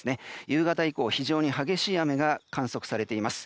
夕方以降非常に激しい雨が観測されています。